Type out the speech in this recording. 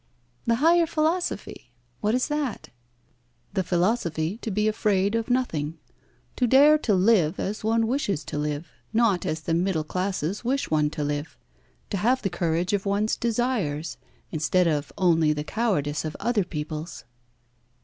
"The higher philosophy! What is that?" "The philosophy to be afraid of nothing, to dare to live as one wishes to live, not as the middle classes wish one to live; to have the courage of one's desires, instead of only the cowardice of other people's."